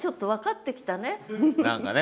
何かね。